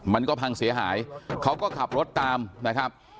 มันก็พังเสียหายเขาก็ขับรถตามนะครับ